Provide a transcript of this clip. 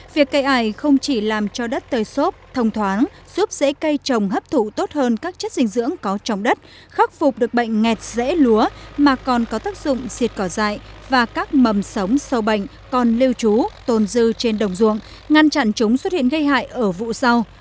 việc cây ải không chỉ làm cho đất tơi xốp thông thoáng giúp dễ cây trồng hấp thụ tốt hơn các chất dinh dưỡng có trong đất khắc phục được bệnh nghẹt dễ lúa mà còn có tác dụng diệt cỏ dại và các mầm sống sâu bệnh còn lưu trú tồn dư trên đồng ruộng ngăn chặn chúng xuất hiện gây hại ở vụ sau